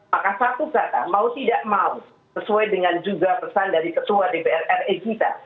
maka satu kata mau tidak mau sesuai dengan juga pesan dari ketua dpr ri kita